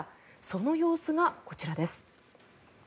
その様子がこちらです。